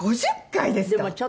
５０回ですか？